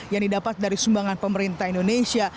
yang didapat dari sumbangan pemerintah indonesia